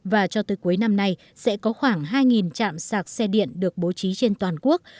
và cho tới cuối năm nay sẽ có khoảng hai trạm sạc xe điện được bố trí trên toàn quốc